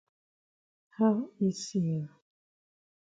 How e see you?